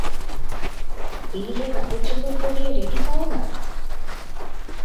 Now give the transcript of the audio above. বিলিকে কাপড়চোপড় পরিয়ে রেডি করো না?